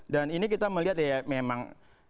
dan ini kita melihat ya memang